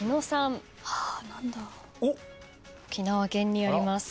沖縄県にあります。